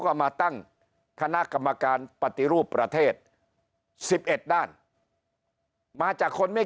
ก็มาตั้งคณะกรรมการปฏิรูปประเทศ๑๑ด้านมาจากคนไม่